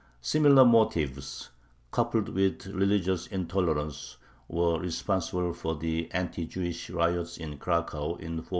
Similar motives, coupled with religious intolerance, were responsible for the anti Jewish riots in Cracow in 1407.